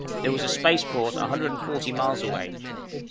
There was a spaceport a hundred and forty miles away.